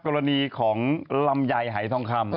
กรณีของลำไยหายทองคำ